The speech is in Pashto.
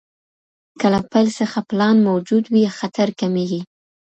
که له پیل څخه پلان موجود وي، خطر کمېږي.